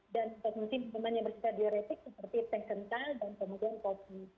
dan misalnya minuman yang bersedia dioretik seperti tank kental dan kemudian kopi